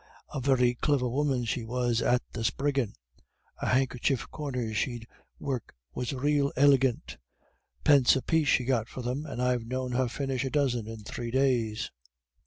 A very cliver woman she was at the spriggin'; the handkercher corners she'd work was rael iligant. Pence a piece she got for them, and I've known her finish a dozen in three days.